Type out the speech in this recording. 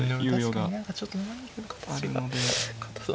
確かに何かちょっと７二歩の形が堅そう。